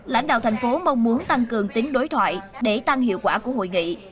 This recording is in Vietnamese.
lãnh đạo thành phố mong muốn tăng cường tính đối thoại để tăng hiệu quả của hội nghị